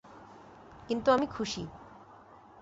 কিন্তু আমি খুশি।